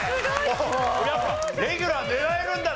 やっぱレギュラー狙えるんだな。